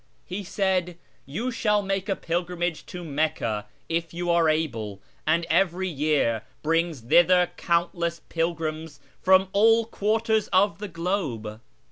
He said, ' You shall make a pilgrimage to Mecca if you are able,' and every year brings thither countless pilgrims from all quarters of the globe.